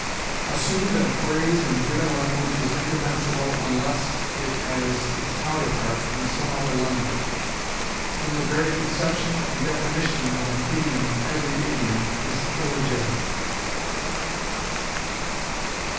Assume that a phrase in a given language is indefensible unless it has its counterpart in some other language; from the very conception and definition of an idiom every idiom is illegitimate.